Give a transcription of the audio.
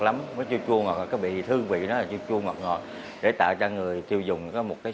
lắm nó chưa chua ngọt cái hương vị nó chưa chua ngọt ngọt để tạo cho người tiêu dùng có một cái